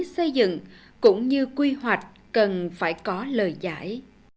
xây dựng cũng như quy hoạch cần phải có lời giải